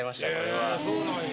へぇそうなんや。